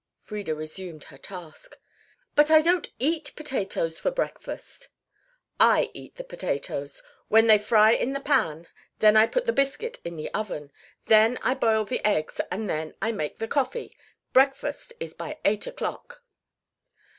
Frieda resumed her task. "But I don't eat potatoes for breakfast." "I eat the potatoes. When they fry in the pan, then I put the biscuit in the oven. Then I boil the eggs and then I make the coffee. Breakfast is by eight o'clock."